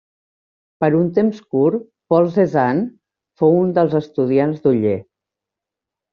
Per un temps curt, Paul Cézanne fou un dels estudiants d'Oller.